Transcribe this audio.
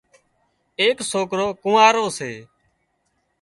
ايڪ سوڪرو ڪونئارو سي